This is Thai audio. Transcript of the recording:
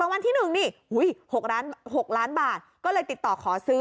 รางวัลที่หนึ่งนี่หุ้ยหกล้านหกล้านบาทก็เลยติดต่อขอซื้อ